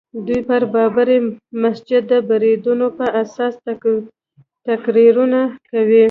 دوی پر بابري مسجد د بریدونو په اساس تقریرونه کوي.